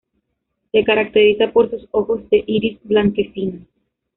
Se caracteriza por sus ojos de iris blanquecino.